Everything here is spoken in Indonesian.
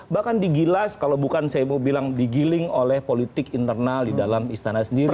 bahkan digilas kalau bukan saya mau bilang digiling oleh politik internal di dalam istana sendiri